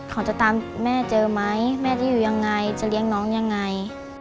เขาจะตามแม่เจอไหมแม่จะอยู่ยังไงจะเลี้ยงน้องยังไง